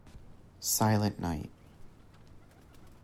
Silent Night.